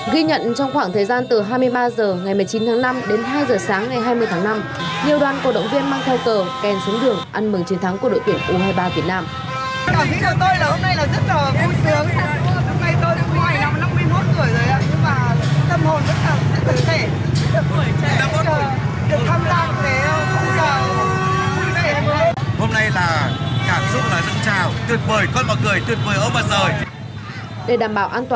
ghi nhận trong khoảng thời gian từ hai mươi ba h ngày một mươi chín tháng năm đến hai h sáng ngày hai mươi tháng năm